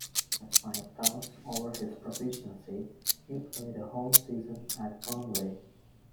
Despite doubts over his proficiency, he played a whole season at Burnley.